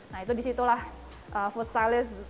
nah itu di situlah food stylist